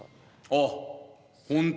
あっ本当。